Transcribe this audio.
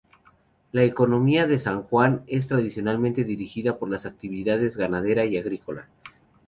La economía de san Juan es tradicionalmente dirigida por las actividades ganadera y agrícola.